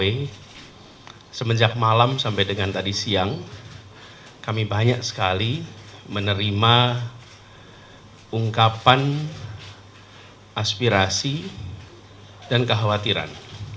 jadi semenjak malam sampai dengan tadi siang kami banyak sekali menerima ungkapan aspirasi dan kekhawatiran